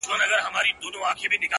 څه مسته نسه مي پـــه وجود كي ده;